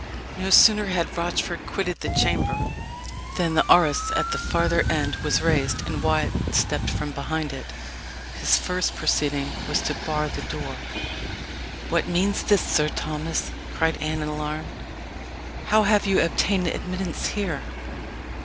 No sooner had Rochford quitted the chamber than the arras at the farther end was raised, and Wyat stepped from behind it. His first proceeding was to bar the door. "What means this, Sir Thomas?" cried Anne in alarm. "How have you obtained admittance here?"